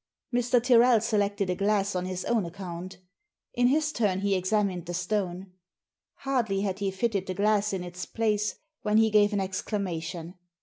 '* Mr. Tyrrel selected a glass on his own account In his turn he examined the stone. Hardly had he fitted the glass in its place when he gave an exclamation.